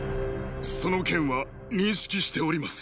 「その件は認識しております」